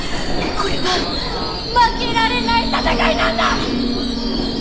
これは負けられない戦いなんだ！